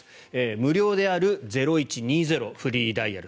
無料である０１２０、フリーダイヤル。